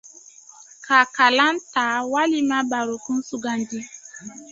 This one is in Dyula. - ka kalanta walima barokun sugandi ;